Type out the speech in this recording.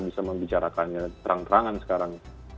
bisa membicarakannya terang terangan sekarang